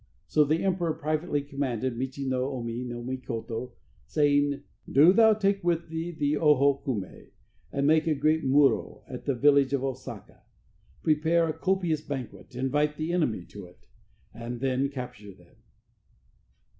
So the emperor privately commanded Michi no Omi no Mikoto, saying: "Do thou take with thee the Oho Kume, and make a great muro at the village of Osaka. Prepare a copious banquet, invite the enemy to it, and then capture them."